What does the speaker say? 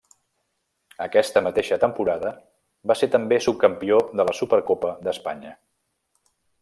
Aquesta mateixa temporada va ser també subcampió de la Supercopa d'Espanya.